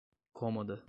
cômoda